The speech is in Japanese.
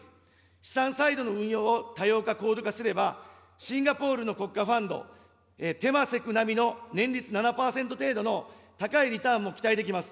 資産サイドの運用を多様化、高度化すれば、シンガポールの国家ファンド、テマセク並みの年率７％程度の高いリターンも期待できます。